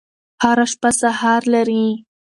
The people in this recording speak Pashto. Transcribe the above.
هره شپه سهار لري.